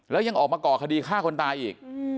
แล้วยังออกมาก่อคดีฆ่าคนตายอีก